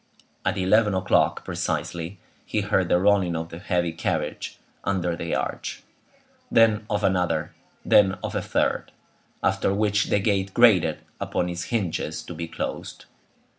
At eleven o'clock precisely, he heard the rolling of a heavy carriage under the arch, then of another, then of a third; after which the gate grated upon its hinges to be closed.